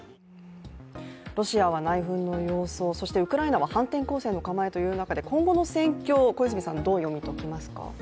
ロシアは内紛の様相、そしてウクライナは反転攻勢の構えという中で今後の戦況、どう読み取りますか？